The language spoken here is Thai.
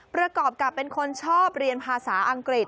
ประกอบกับเป็นคนชอบเรียนภาษาอังกฤษ